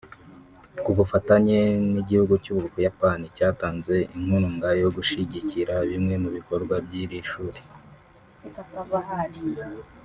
ku bufatanye n’igihugu cy’Ubuyapani cyatanze inkurnga yo gushyigikira bimwe mu bikorwa by’iri shuri